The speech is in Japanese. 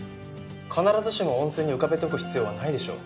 必ずしも温泉に浮かべとく必要はないでしょう。